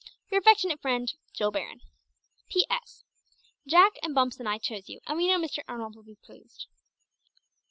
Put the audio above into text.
"Your affectionate friend, "JILL BARON. "P.S. Jack and Bumps and I chose you, and we know Mr. Arnold will be pleased."